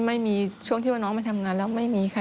ไม่มีช่วงที่ว่าน้องไปทำงานแล้วไม่มีค่ะ